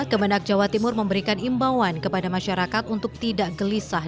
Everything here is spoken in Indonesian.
kemenak jawa timur memberikan imbauan kepada masyarakat untuk tidak gelisah